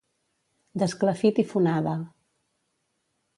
D'esclafit i fonada.